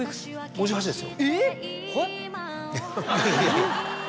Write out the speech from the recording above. ５８です。